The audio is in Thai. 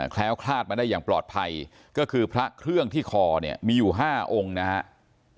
ล้วคลาดมาได้อย่างปลอดภัยก็คือพระเครื่องที่คอเนี่ยมีอยู่๕องค์นะครับ